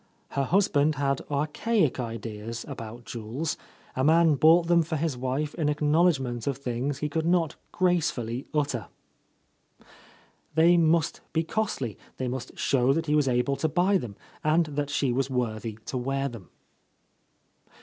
Her husband had archaic ideas about jewels ; a man bought them for his wife in ac^owledgment of things he could not gracefully utter. They — ?i— A Lost Lady must be costly; they must show that he was able to buy them, and that she was worthy to wear them.